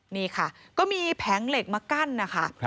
นี่ค่ะก็มีแผงเหล็กมากั้นนะคะ